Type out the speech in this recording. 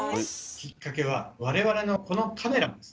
きっかけは我々のこのカメラなんです。